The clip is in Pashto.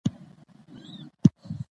د شرایطو له تحقق نه وروسته واجب ده.